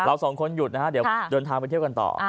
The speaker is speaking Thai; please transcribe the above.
สองคนหยุดนะฮะเดี๋ยวเดินทางไปเที่ยวกันต่อ